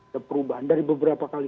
ada perubahan dari beberapa kali